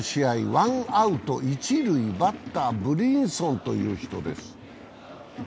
ワンアウト一塁、バッター・ブリンソンという人です